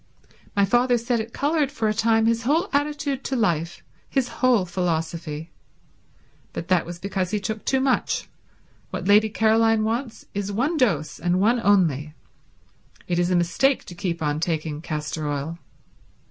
My father said it coloured for a time his whole attitude to life, his whole philosophy. But that was because he took too much. What Lady Caroline wants is one dose, and one only. It is a mistake to keep on taking castor oil."